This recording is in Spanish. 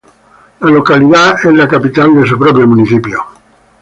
La localidad es capital de su propio municipio.